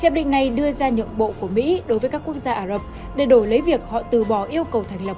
hiệp định này đưa ra nhượng bộ của mỹ đối với các quốc gia ả rập để đổi lấy việc họ từ bỏ yêu cầu thành lập